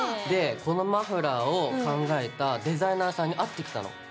でこのマフラーを考えたデザイナーさんに会ってきたの。